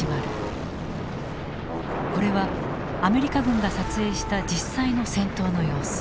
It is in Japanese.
これはアメリカ軍が撮影した実際の戦闘の様子。